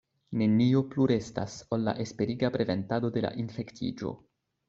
Nenio plu restas, ol la esperiga preventado de la infektiĝo.